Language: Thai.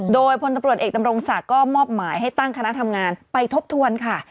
โดยพลตำรวจเอกดำรงศักดิ์ก็มอบหมายให้ตั้งคณะทำงานไปทบทวนค่ะ